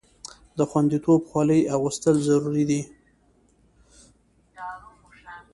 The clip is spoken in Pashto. د خوندیتوب خولۍ اغوستل ضروري دي.